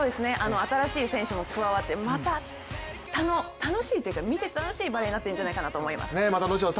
新しい選手も加わって見て楽しいバレーになってるんじゃないかなと思います。